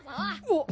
あっ。